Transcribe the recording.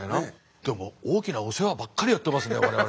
でも大きなお世話ばっかりやってますね我々。